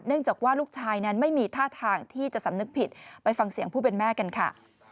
จากว่าลูกชายนั้นไม่มีท่าทางที่จะสำนึกผิดไปฟังเสียงผู้เป็นแม่กันค่ะ